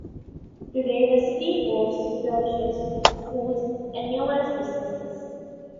Today the city boasts churches, schools, and numerous businesses.